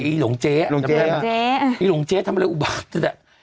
อืมหลวงเจ๋หลวงเจ๋หลวงเจ๋หลวงเจ๋ทำอะไรอุบัติ